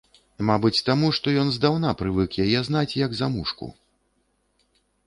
Мабыць таму, што ён здаўна прывык яе знаць, як замужку.